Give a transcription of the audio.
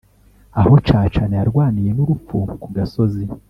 aho Cacana yarwaniye n’urupfu ku gasozi